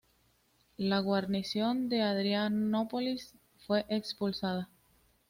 La guarnición de Adrianópolis fue expulsada.